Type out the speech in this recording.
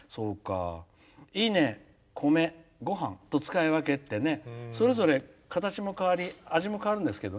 いいね、米、ごはんと使い分けて、それぞれ形も変わり味も変わるんですけど。